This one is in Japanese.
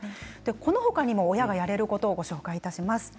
この他にも親がやれることをご紹介します。